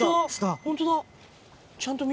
ホントだ。